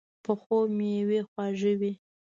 پخو مېوې خواږه وي